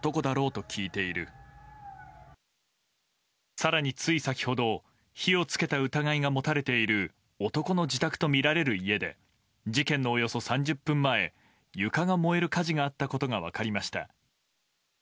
更につい先ほど火をつけた疑いが持たれている男の自宅とみられる家で事件のおよそ３０分前床が燃える火事があったことが分かりました。